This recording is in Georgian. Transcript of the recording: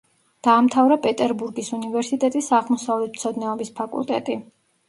დაამთავრა პეტერბურგის უნივერსიტეტის აღმოსავლეთმცოდნეობის ფაკულტეტი.